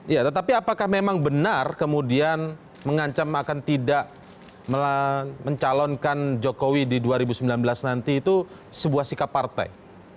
ya tetapi apakah memang benar kemudian mengancam akan tidak mencalonkan jokowi di dua ribu sembilan belas nanti itu sebuah sikap partai